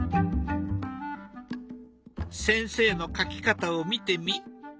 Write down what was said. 先生の描き方を見てみ。